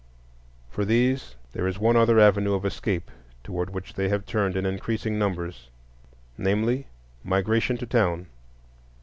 For these there is one other avenue of escape toward which they have turned in increasing numbers, namely, migration to town.